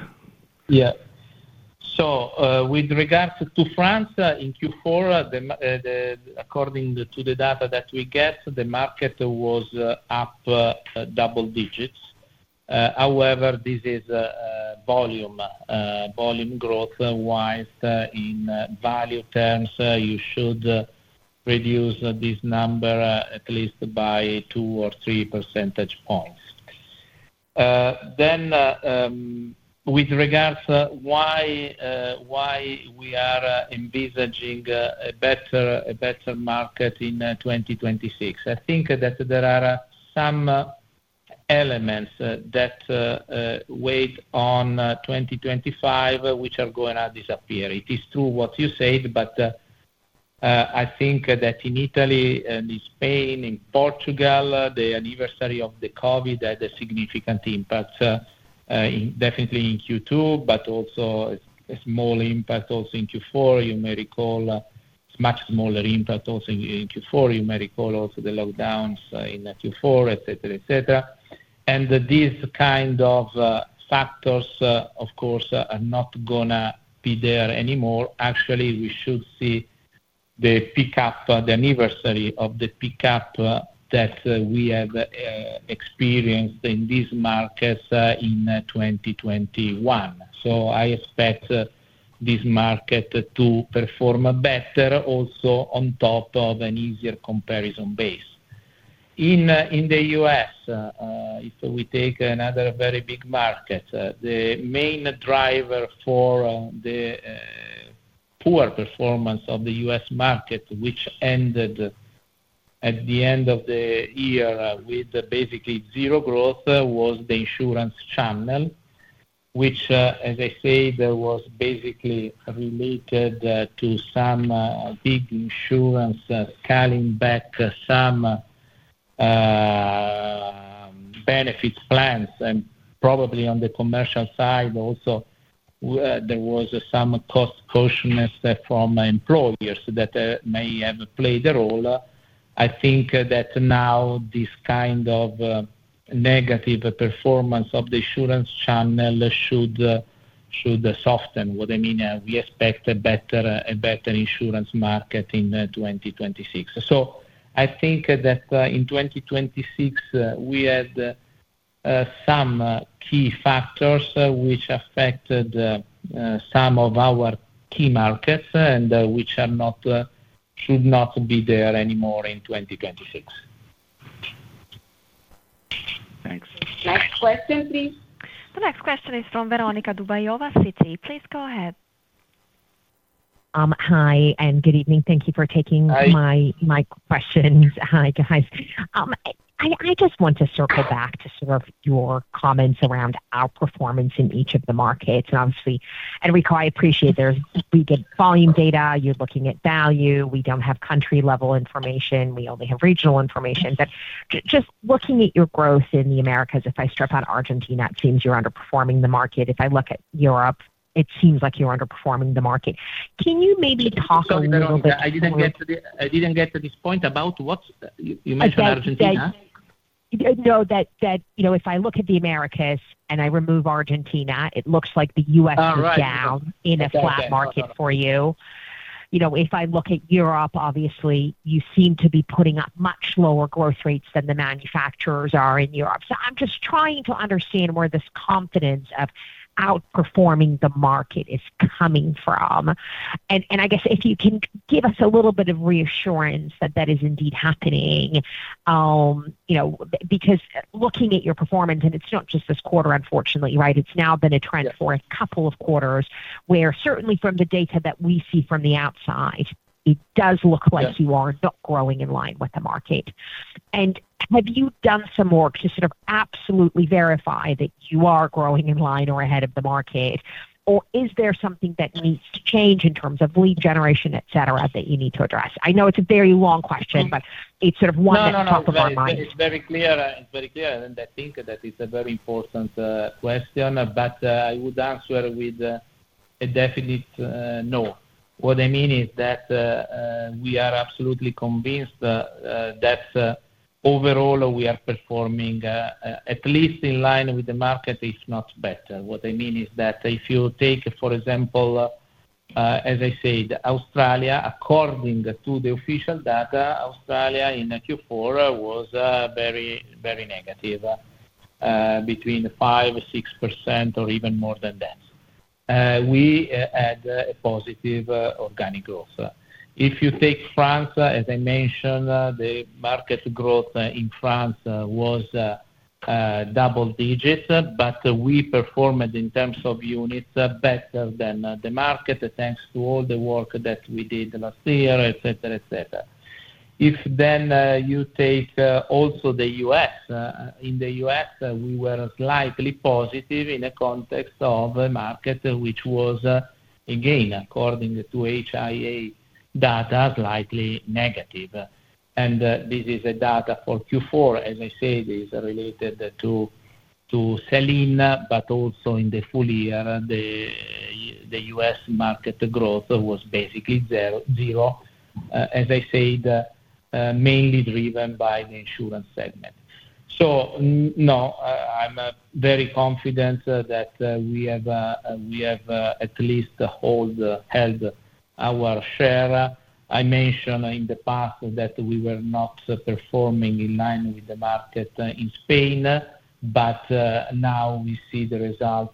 With regards to France, in Q4, according to the data that we get, the market was up double digits. However, this is volume growth wise. In value terms, you should reduce this number at least by two or three percentage points. With regards why we are envisaging a better market in 2026, I think that there are some elements that weigh on 2025, which are gonna disappear. It is true what you said, but I think that in Italy, in Spain, in Portugal, the anniversary of the COVID had a significant impact definitely in Q2, but also a small impact also in Q4. You may recall much smaller impact also in Q4. You may recall also the lockdowns in Q4, et cetera, et cetera. These kind of factors, of course, are not gonna be there anymore. Actually, we should see the pickup, the anniversary of the pickup that we have experienced in these markets in 2021. I expect this market to perform better also on top of an easier comparison base. In, in the U.S., if we take another very big market, the main driver for the poor performance of the U.S. market, which ended at the end of the year with basically zero growth, was the insurance channel. Which, as I said, was basically related to some big insurance scaling back some benefits plans. Probably on the commercial side also, there was some cost cautiousness from employers that may have played a role. I think that now this kind of negative performance of the insurance channel should soften. What I mean, we expect a better insurance market in 2026. I think that in 2026, we have some key factors which affected some of our key markets and which are not should not be there anymore in 2026. Thanks. Next question, please. The next question is from Veronika Dubajova, Citi. Please go ahead. Hi and good evening. Thank you for taking my questions. Hi, guys. I just want to circle back to sort of your comments around outperformance in each of the markets. Obviously, Enrico, I appreciate there's we get volume data, you're looking at value. We don't have country level information. We only have regional information. Just looking at your growth in the Americas, if I strip out Argentina, it seems you're underperforming the market. If I look at Europe, it seems like you're underperforming the market. Can you maybe talk a little bit more? Sorry, Veronica. I didn't get to this point about what. You mentioned Argentina. No, that you know, if I look at the Americas and I remove Argentina, it looks like the U.S. is down in a flat market for you. You know, if I look at Europe, obviously you seem to be putting up much lower growth rates than the manufacturers are in Europe. I'm just trying to understand where this confidence of outperforming the market is coming from? I guess if you can give us a little bit of reassurance that that is indeed happening. You know, because looking at your performance, and it's not just this quarter unfortunately, right? It's now been a trend for a couple of quarters where certainly from the data that we see from the outside, it does look like you are not growing in line with the market. Have you done some work to sort of absolutely verify that you are growing in line or ahead of the market? Is there something that needs to change in terms of lead generation, et cetera, that you need to address? I know it's a very long question, but it's sort of one that's top of our minds. No, no. It's very clear. It's very clear. I think that it's a very important question. I would answer with a definite no. What I mean is that we are absolutely convinced that overall we are performing at least in line with the market, if not better. What I mean is that if you take, for example, as I said, Australia, according to the official data, Australia in Q4 was very, very negative, between 5% or 6% or even more than that. We had a positive organic growth. If you take France, as I mentioned, the market growth in France was double digits, but we performed in terms of units better than the market, thanks to all the work that we did last year, et cetera, et cetera. If you take also the U.S. In the U.S., we were slightly positive in a context of a market which was, again, according to HIA data, slightly negative. This is a data for Q4. As I said, it is related to China, but also in the full year, the U.S. market growth was basically zero, as I said, mainly driven by the insurance segment. No, I'm very confident that we have held our share. I mentioned in the past that we were not performing in line with the market in Spain, but now we start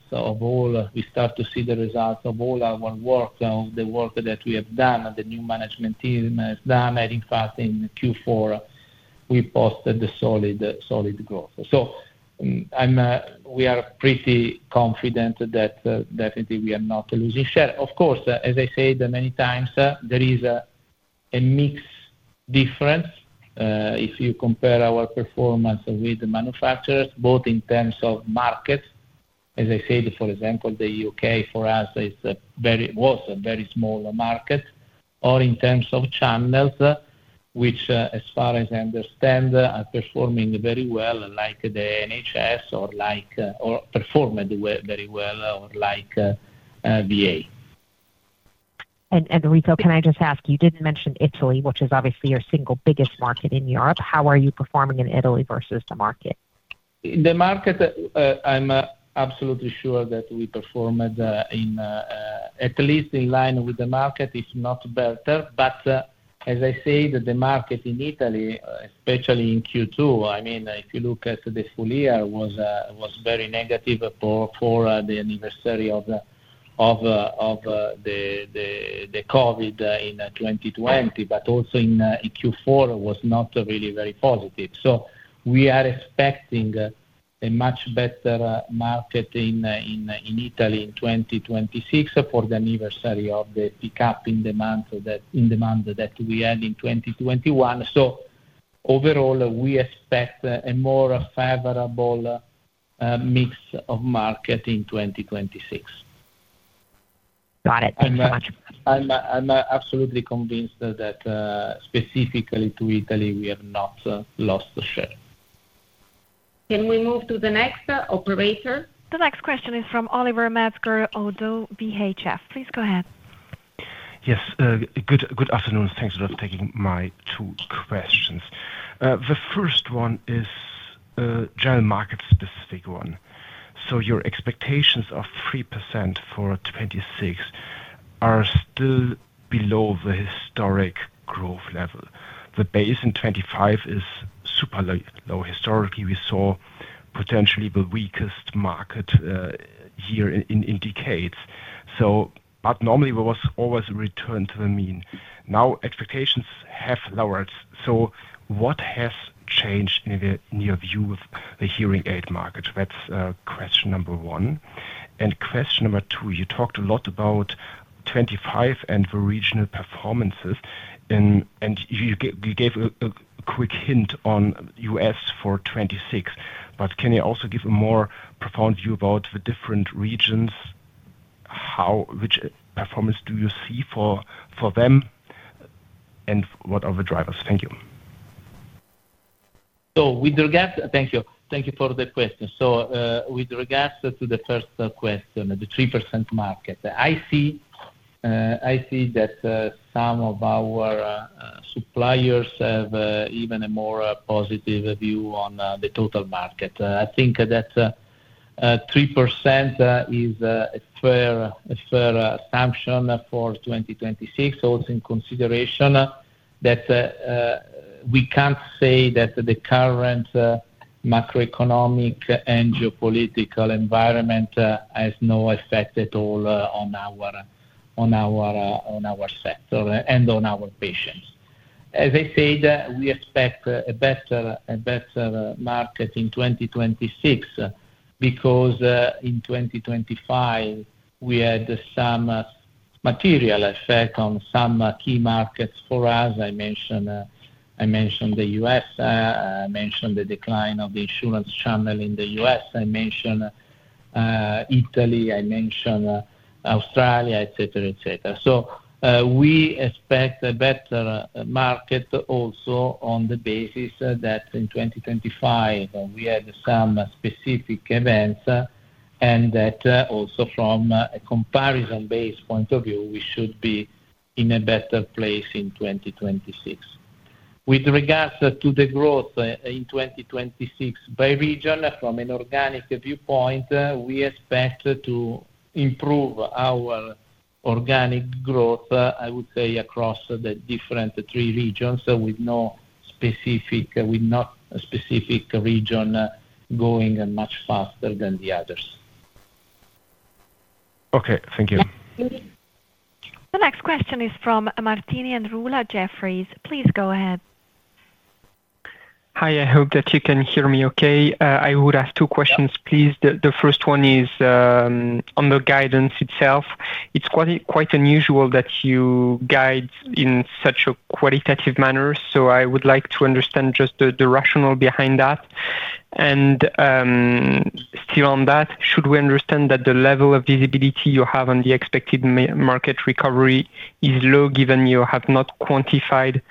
to see the results of all our work, of the work that we have done, the new management team has done. In fact, in Q4, we posted a solid growth. I'm pretty confident that definitely we are not losing share. Of course, as I said many times, there is a mix difference if you compare our performance with the manufacturers, both in terms of markets. As I said, for example, the U.K. for us was a very small market or in terms of channels, which, as far as I understand, are performing very well, like the NHS or performed very well like VA. Enrico, can I just ask, you didn't mention Italy, which is obviously your single biggest market in Europe. How are you performing in Italy versus the market? In the market, I'm absolutely sure that we performed in at least in line with the market, if not better. As I said, the market in Italy, especially in Q2, I mean, if you look at the full year was very negative for the anniversary of the COVID in 2020, but also in Q4 was not really very positive. We are expecting a much better market in Italy in 2026 for the anniversary of the pickup in demand that we had in 2021. Overall, we expect a more favorable mix of market in 2026. Got it. Thank you much. I'm absolutely convinced that, specifically to Italy, we have not lost the share. Can we move to the next, operator? The next question is from Oliver Metzger, ODDO BHF. Please go ahead. Yes. Good afternoon. Thanks for taking my two questions. The first one is a general market specific one. Your expectations of 3% for 2026 are still below the historic growth level. The base in 2025 is super low. Historically, we saw potentially the weakest market here in decades. Normally there was always a return to the mean. Now expectations have lowered. What has changed in your view of the hearing aid market? That's question number one. Question number two, you talked a lot about 2025 and the regional performances and you gave a quick hint on U.S. for 2026, but can you also give a more profound view about the different regions? How. Which performance do you see for them, and what are the drivers? Thank you. Thank you. Thank you for the question. With regards to the first question, the 3% market. I see that some of our suppliers have even a more positive view on the total market. I think that 3% is a fair assumption for 2026. Also in consideration that we can't say that the current macroeconomic and geopolitical environment has no effect at all on our sector and on our patients. As I said, we expect a better market in 2026 because in 2025 we had some material effect on some key markets for us. I mentioned the U.S., I mentioned the decline of the insurance channel in the U.S. I mentioned Italy, I mentioned Australia, et cetera, et cetera. We expect a better market also on the basis that in 2025 we had some specific events, and that also from a comparison base point of view, we should be in a better place in 2026. With regards to the growth in 2026 by region from an organic viewpoint, we expect to improve our organic growth, I would say across the different three regions, with no specific region going much faster than the others. Okay. Thank you. The next question is from Martin Comtesse at Jefferies. Please go ahead. Hi, I hope that you can hear me okay. I would ask two questions, please. The first one is on the guidance itself. It's quite unusual that you guide in such a qualitative manner. I would like to understand just the rationale behind that. Still on that, should we understand that the level of visibility you have on the expected market recovery is low, given you have not quantified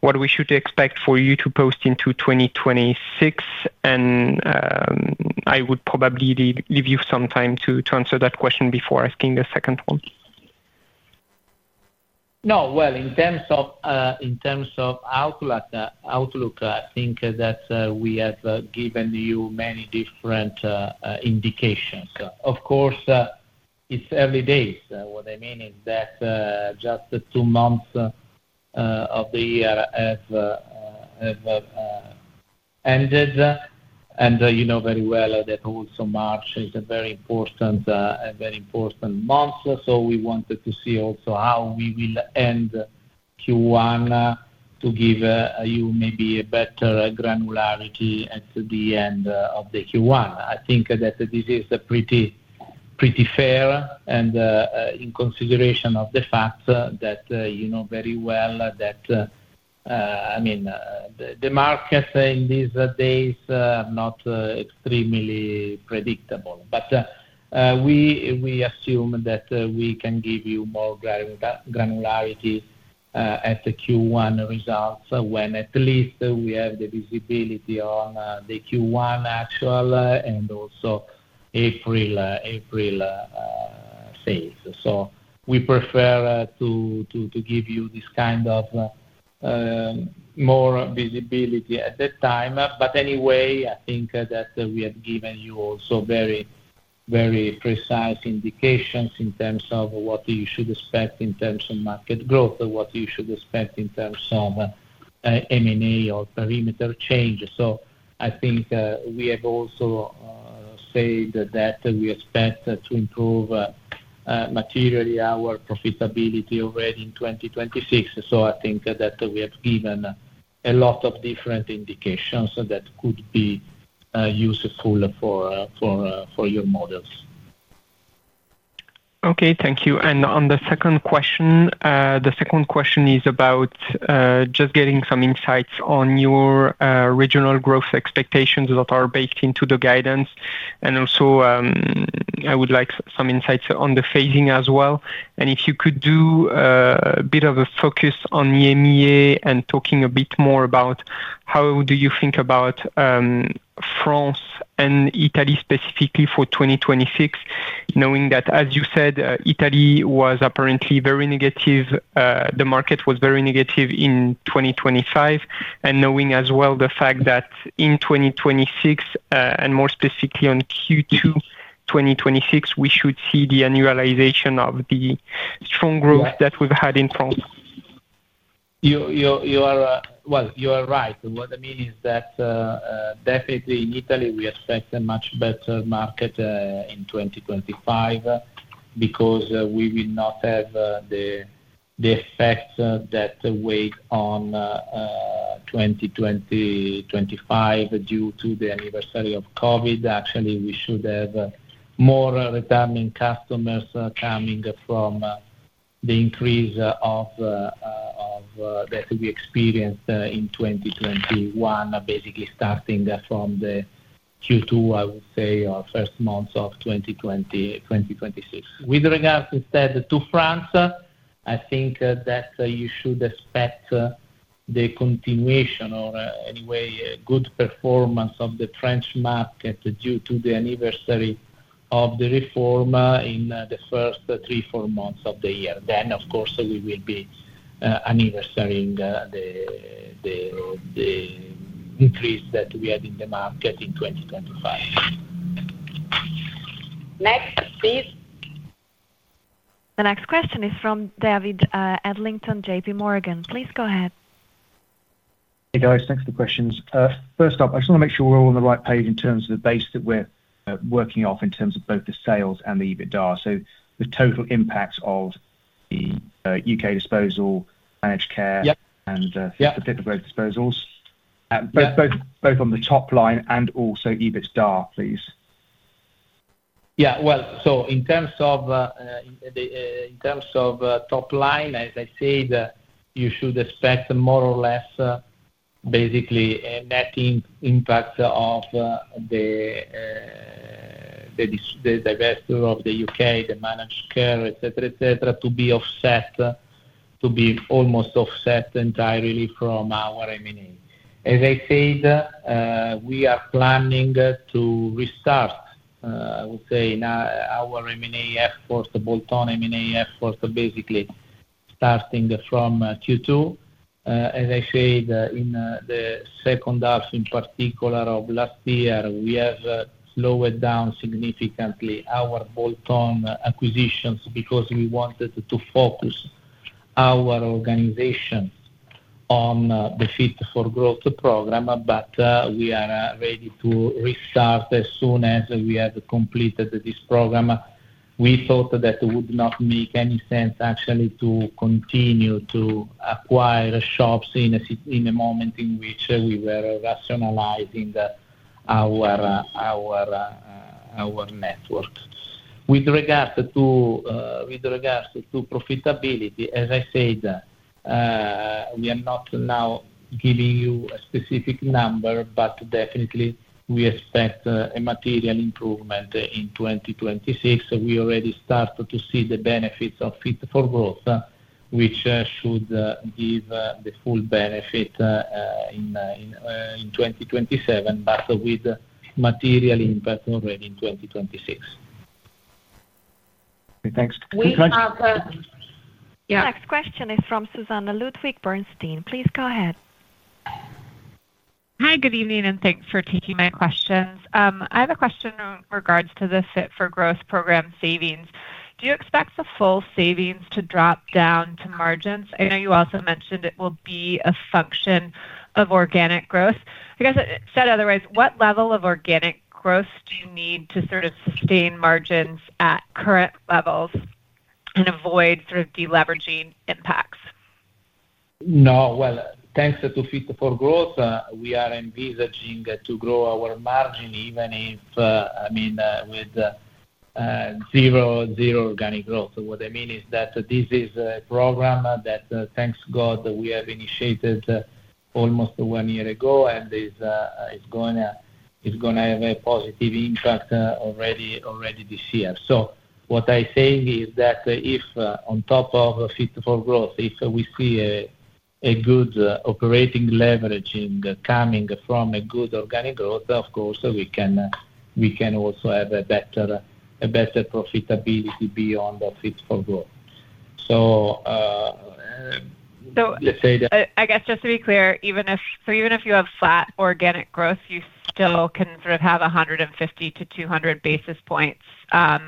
what we should expect for you to post into 2026? I would probably give you some time to answer that question before asking the second one. No. Well, in terms of in terms of outlook, I think that we have given you many different indications. Of course, it's early days. What I mean is that just two months of the year have ended. You know very well that also March is a very important month. We wanted to see also how we will end Q1 to give you maybe a better granularity at the end of the Q1. I think that this is a pretty fair and in consideration of the fact that you know very well that, I mean, the market in these days are not extremely predictable. We assume that we can give you more granularity at the Q1 results when at least we have the visibility on the Q1 actual and also April sales. We prefer to give you this kind of more visibility at that time. I think that we have given you also very precise indications in terms of what you should expect in terms of market growth, what you should expect in terms of M&A or perimeter changes. I think we have also said that we expect to improve materially our profitability already in 2026. I think that we have given a lot of different indications that could be useful for your models. Okay. Thank you. On the second question. The second question is about just getting some insights on your regional growth expectations that are baked into the guidance. Also, I would like some insights on the phasing as well. If you could do a bit of a focus on EMEA and talking a bit more about how do you think about France and Italy specifically for 2026. Knowing that, as you said, Italy was apparently very negative, the market was very negative in 2025. Knowing as well the fact that in 2026, and more specifically on Q2 2026, we should see the annualization of the strong growth that we've had in France. You are, well, you are right. What I mean is that, definitely in Italy we expect a much better market in 2025 because we will not have the effect that weigh on 2025 due to the anniversary of COVID. Actually, we should have more returning customers coming from the increase of that we experienced in 2021, basically starting from the Q2, I would say, or first months of 2026. With regards instead to France, I think that you should expect the continuation or anyway good performance of the French market due to the anniversary of the reform in the first 3-4 months of the year. Of course, we will be anniversarying the increase that we had in the market in 2025. Next, please. The next question is from David Adlington, JPMorgan. Please go ahead. Hey, guys. Thanks for the questions. First up, I just want to make sure we're all on the right page in terms of the base that we're working off in terms of both the sales and the EBITDA. The total impact of the U.K. disposal, managed care. The Fit4Growth disposals. Both on the top line and also EBITDA, please. Yeah. Well, in terms of the in terms of top line, as I said, you should expect more or less basically a net impact of the divesture of the U.K., the managed care, et cetera, et cetera, to be almost offset entirely from our M&A. As I said, we are planning to restart I would say now our M&A efforts, the bolt-on M&A efforts, basically starting from Q2. As I said, in the second half in particular of last year, we have slowed down significantly our bolt-on acquisitions because we wanted to focus our organization on the Fit4Growth program. We are ready to restart as soon as we have completed this program. We thought that it would not make any sense actually to continue to acquire shops in a moment in which we were rationalizing our, our network. With regard to, with regards to profitability, as I said, we are not now giving you a specific number, but definitely we expect a material improvement in 2026. We already start to see the benefits of Fit4Growth, which should give the full benefit in 2027, but with material impact already in 2026. Okay, thanks. We have- Yeah. The next question is from Susannah Ludwig, Bernstein. Please go ahead. Hi. Good evening, and thanks for taking my questions. I have a question in regards to the Fit4Growth program savings. Do you expect the full savings to drop down to margins? I know you also mentioned it will be a function of organic growth. I guess said otherwise, what level of organic growth do you need to sort of sustain margins at current levels and avoid deleveraging impacts? No. Well, thanks to Fit4Growth, we are envisaging to grow our margin even if, I mean, with, zero organic growth. What I mean is that this is a program that, thanks God, we have initiated almost one year ago and is gonna have a positive impact, already this year. What I say is that if, on top of Fit4Growth, if we see a good operating leverage coming from a good organic growth, of course, we can also have a better profitability beyond the Fit4Growth. Let's say that. I guess just to be clear, even if you have flat organic growth, you still can sort of have 150-200 basis points of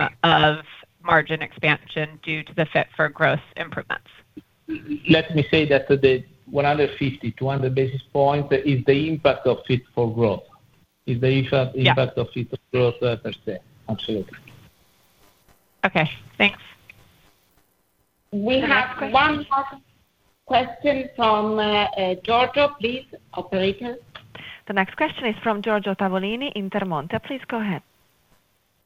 margin expansion due to the Fit4Growth improvements. Let me say that the 150, 200 basis points is the impact of Fit4Growth of Fit4Growth per se, Absolutely. Okay, thanks. We have one more question from Giorgio. Please, operator. The next question is from Giorgio Tavolini, Intermonte. Please go ahead.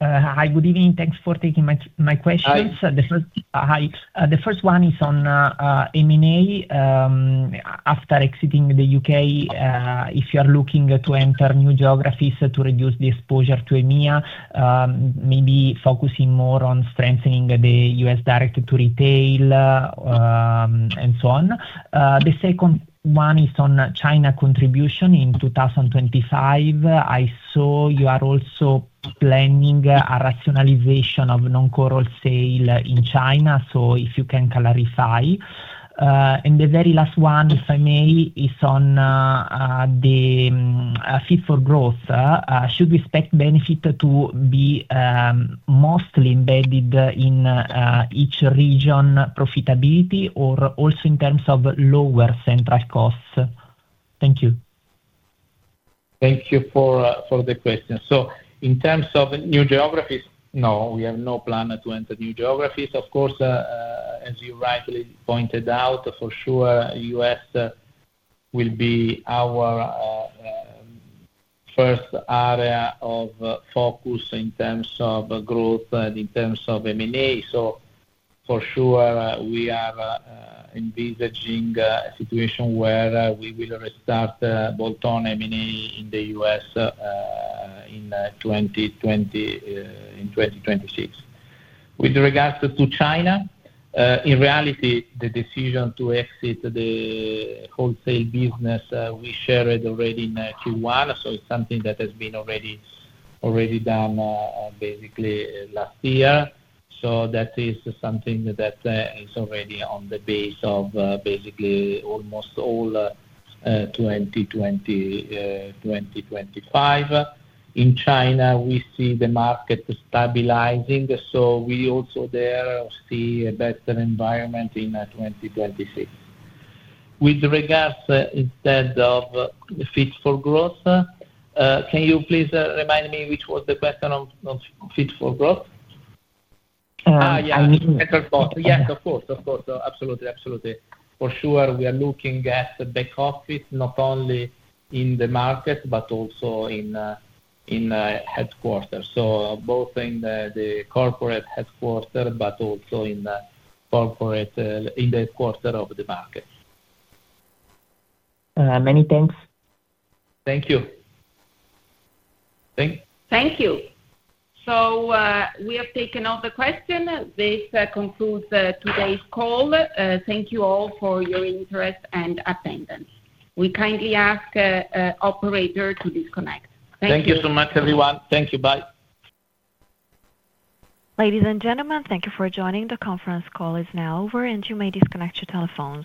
Hi. Good evening. Thanks for taking my questions. Hi. Hi. The first one is on M&A. After exiting the U.K., if you are looking to enter new geographies to reduce the exposure to EMEA, maybe focusing more on strengthening the U.S. direct to retail, and so on. The second one is on China contribution in 2025. I saw you are also planning a rationalization of non-core sale in China. If you can clarify. The very last one, if I may, is on the Fit4Growth. Should we expect benefit to be mostly embedded in each region profitability or also in terms of lower central costs? Thank you. Thank you for the question. In terms of new geographies, no, we have no plan to enter new geographies. Of course, as you rightly pointed out, for sure, U.S. will be our first area of focus in terms of growth and in terms of M&A. For sure, we are envisaging a situation where we will restart bolt-on M&A in the U.S. in 2026. With regards to China, in reality, the decision to exit the wholesale business, we shared already in Q1. It's something that has been already done on basically last year. That is something that is already on the base of basically almost all 2025. In China, we see the market stabilizing, so we also there see a better environment in 2026. With regards instead of Fit4Growth, can you please remind me which was the question of Fit4Growth? Yeah. Better cost. Yes, of course. Absolutely. For sure, we are looking at the back office, not only in the market, but also in headquarters. Both in the corporate headquarter, but also in the corporate headquarter of the market. Many thanks. Thank you. Thank you. We have taken all the question. This concludes today's call. Thank you all for your interest and attendance. We kindly ask operator to disconnect. Thank you. Thank you so much, everyone. Thank you. Bye. Ladies and gentlemen, thank you for joining. The conference call is now over, and you may disconnect your telephones.